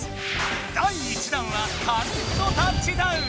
第１弾は「紙フトタッチダウン」！